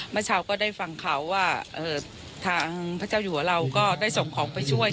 เมื่อเช้าก็ได้ฟังเขาว่าทางพระเจ้าอยู่หัวเราก็ได้ส่งของไปช่วย